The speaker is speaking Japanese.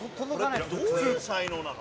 「どういう才能なの？